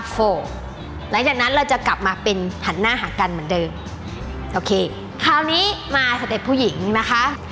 โฟกหลังจากนั้นเราจะกลับมาเป็นหันหน้าหากันเหมือนเดิมโอเคคราวนี้มาสเต็ปผู้หญิงนะคะ